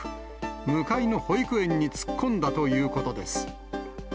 向かいの保育園に突っ込んだということです。